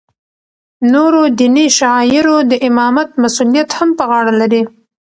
نورو دیني شعایرو د امامت مسولیت هم په غاړه لری.